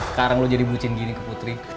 sekarang lo jadi bucin gini ke putri